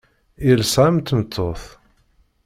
Yelsa am tmeṭṭut.